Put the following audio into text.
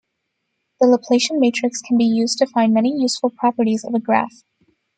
The Laplacian matrix can be used to find many useful properties of a graph.